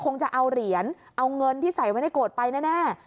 คงจะเอาเหรียญเอาเงินที่ใส่ไว้ในโกรธไปแน่